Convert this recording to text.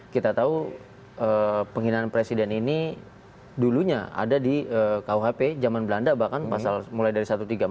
kita tahu penghinaan presiden ini dulunya ada di kuhp zaman belanda bahkan pasal mulai dari satu ratus tiga puluh empat satu ratus tiga puluh lima satu ratus tiga puluh enam